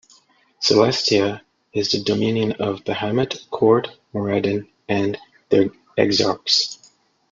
Celestia is the dominion of Bahamut, Kord, Moradin and their exarchs.